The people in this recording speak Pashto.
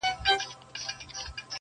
په مړاوو گوتو كي قوت ډېر سي.